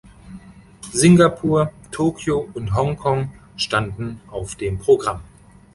Singapur, Tokio und Hongkong standen auf dem Programm.